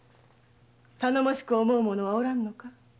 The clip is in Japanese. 頼もしく思う者はおらぬのか？